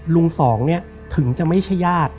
ลุงสองถึงจะไม่ใช่ญาติ